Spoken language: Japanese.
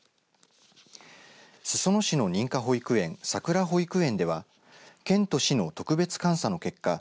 裾野市の認可保育園さくら保育園では県と市の特別監査の結果